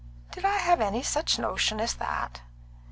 "Did I have any such notion as that?"